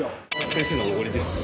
先生のおごりですか？